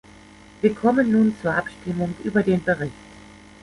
Wir kommen nun zur Abstimmung über den Bericht.